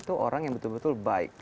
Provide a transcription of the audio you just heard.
itu orang yang betul betul baik